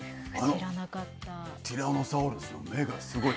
あのティラノサウルスの目がすごい。